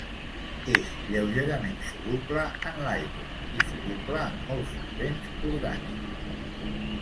És lleugerament soluble en l'aigua, i soluble en molts solvents orgànics.